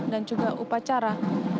dan juga upacara